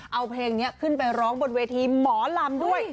เอาเพลงนี้ขึ้นไปร้องบนเวทีหมอลำด้วย